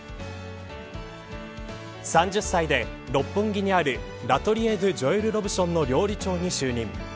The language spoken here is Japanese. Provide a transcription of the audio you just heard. ３０歳で、六本木にあるラトリエドゥジョエル・ロブションの料理長に就任。